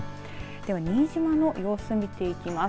では、新島の様子見ていきます。